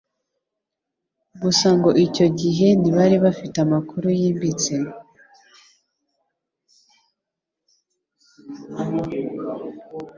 gusa ngo icyo gihe ntibari bafite amakuru yimbitse,